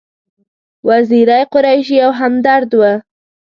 وزیری، قریشي او همدرد و.